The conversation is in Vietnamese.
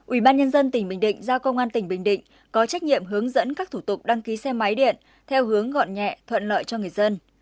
ubnd tỉnh bình định giao công an tỉnh bình định có trách nhiệm hướng dẫn các thủ tục đăng ký xe máy điện theo hướng gọn nhẹ thuận lợi cho người dân